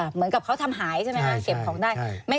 เหมือนกับเขาทำหายใช่ไหมคะเก็บของได้